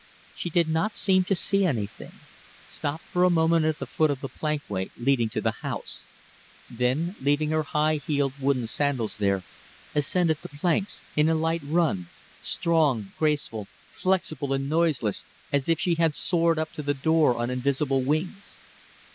She did not seem to see anything, stopped for a moment at the foot of the plankway leading to the house, then, leaving her high heeled wooden sandals there, ascended the planks in a light run; straight, graceful, flexible, and noiseless, as if she had soared up to the door on invisible wings.